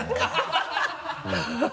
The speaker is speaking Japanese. ハハハ